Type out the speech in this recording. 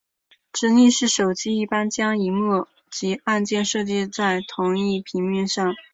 直立式手机一般将萤幕及按键设计成在同一平面上。